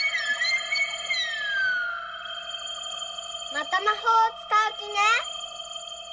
またまほうをつかうきね？